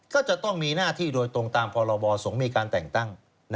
ก็จะต้องมีหน้าที่โดยตรงตามพรบสงฆ์มีการแต่งตั้ง